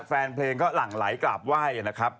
แฟนเพลงก็หลั่งไหลกราบไหว้นะครับ